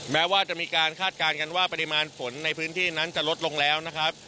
แม้ว่าจะมีการคาดการณ์กันว่าปริมาณฝนในพื้นที่นั้นจะลดลงแล้วนะครับ